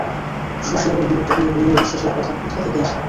শশী এবার বিরক্ত হইয়া বলিল, অবিশ্বাসের কথা কোথা থেকে আসে?